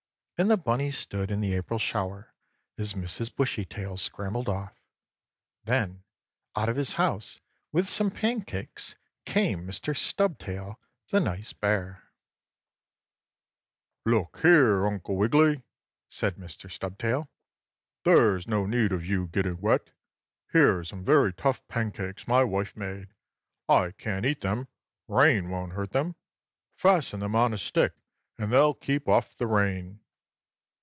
And the bunny stood in the April shower as Mrs. Bushytail scrambled off. Then out of his house with some pancakes came Mr. Stubtail, the nice bear. 8. "Look here, Uncle Wiggily!" said Mr. Stubtail. "There is no need of you getting wet. Here are some very tough pancakes my wife made. I can't eat them; rain won't hurt them. Fasten them on a stick and they'll keep off the rain."